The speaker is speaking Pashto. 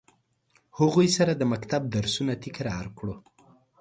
هغوی سره د مکتب درسونه تکرار کړو.